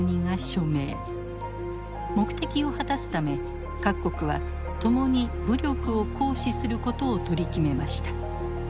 目的を果たすため各国は共に武力を行使することを取り決めました。